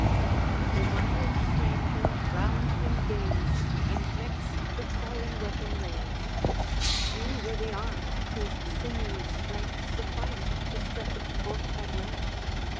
The wondering stranger round him gazed, And next the fallen weapon raised: Few were the arms whose sinewy strength Sufficed to stretch it forth at length.